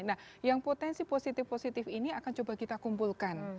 nah yang potensi positif positif ini akan coba kita kumpulkan